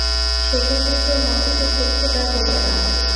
সেইজন্যেই তোর মন থেকে খুঁতখুঁত আর ঘোচে না।